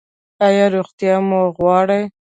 ایا روغتیا مو غواړئ؟